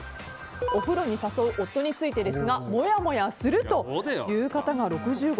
お風呂に誘う夫についてですがもやもやするという方が６５％。